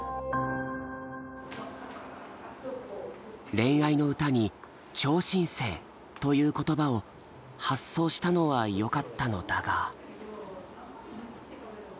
恋愛の歌に「超新星」という言葉を発想したのはよかったのだが。